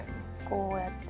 こうやって。